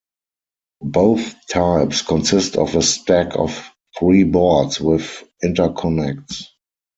Both types consist of a stack of three boards, with interconnects.